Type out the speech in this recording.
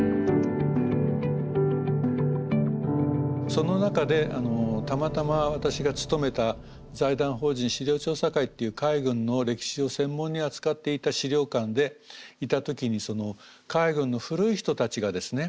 その中でたまたま私が勤めた財団法人史料調査会っていう海軍の歴史を専門に扱っていた史料館でいた時に海軍の古い人たちがですね